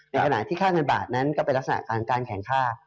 ในขณะที่ค่าเงินบาทนั้นก็เป็นลักษณะของการแข่งค่า